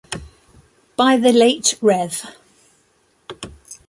By the late Rev.